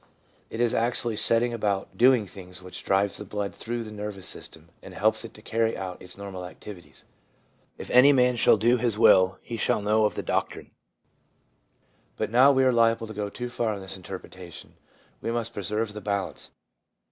It is actually setting about doing things which drives the blood through the nervous system, and helps it to carry out its normal activities. ' If any man shall do his will he shall know of the doctrine.' But now we are liable to go too far in this interpre tation. We must preserve the balance.